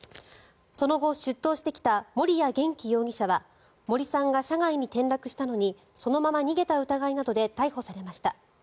その後、出頭してきた森谷元気容疑者は森さんが車外に転落したのにそのまま逃げた疑いなどで逮捕されました。